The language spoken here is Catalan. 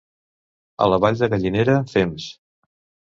A la Vall de Gallinera, fems.